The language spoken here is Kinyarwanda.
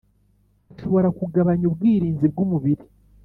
hashobora kugabanya ubwirinzi bw umubiri